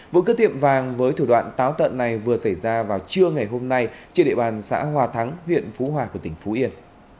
vụ cướp tiệm vàng với thủ đoạn táo tận này vừa xảy ra vào trưa ngày hôm nay trên địa bàn xã hòa thắng huyện phú hòa của tỉnh phú yên